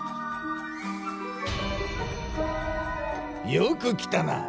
よく来たな。